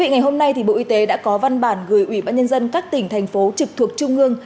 ngày hôm nay bộ y tế đã có văn bản gửi ủy ban nhân dân các tỉnh thành phố trực thuộc trung ương